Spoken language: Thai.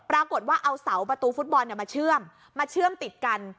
ปรากฏว่าเอาเสาประตูฟุตบอลมาเชื่อมมาเชื่อมติดกัน